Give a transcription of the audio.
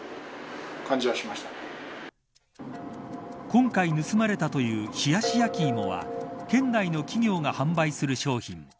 今回盗まれたという冷やし焼き芋は県内の企業が販売する商品。